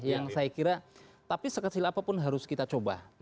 yang saya kira tapi sekecil apapun harus kita coba